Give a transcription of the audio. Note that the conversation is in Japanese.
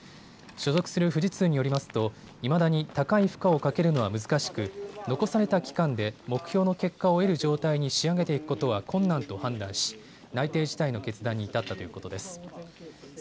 所属する富士通によりますといまだに高い負荷をかけるのは難しく残された期間で目標の結果を得る状態に仕上げていくことは困難と判断し内定辞退の決断に至ったということです。